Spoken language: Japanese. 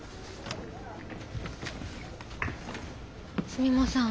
すみません